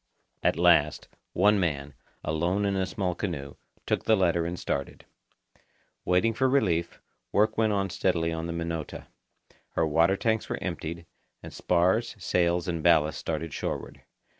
At last, one man, alone in a small canoe, took the letter and started. Waiting for relief, work went on steadily on the Minota. Her water tanks were emptied, and spars, sails, and ballast started shoreward.